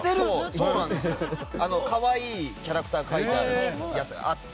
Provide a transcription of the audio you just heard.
可愛いキャラクターが描いてあるやつがあって。